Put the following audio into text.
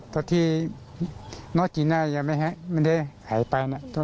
ตอนที่น้อจีน่ายังไม่หายไป